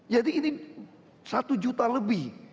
jadi ini satu juta lebih